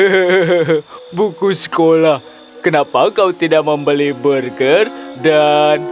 hehehe buku sekolah kenapa kau tidak membeli burger dan